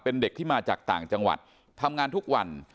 เป็นเด็กที่มาจากต่างจังหวัดทำงานทุกวัน